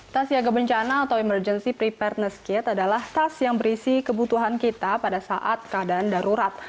tas siaga bencana atau emergency preparetness kit adalah tas yang berisi kebutuhan kita pada saat keadaan darurat